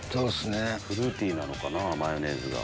フルーティーなのかなマヨネーズが。